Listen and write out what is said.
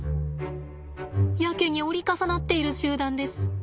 やけに折り重なっている集団です。